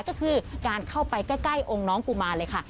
ก็คือการเข้าไปใกล้องค์น้องกุมารเลยค่ะ